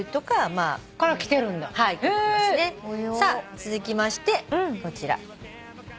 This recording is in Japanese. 続きましてこちら。